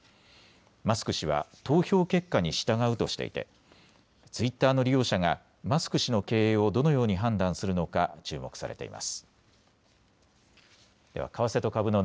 マスク氏は投票結果に従うとしていてツイッターの利用者がマスク氏の経営をどのように判断するのか注目されています。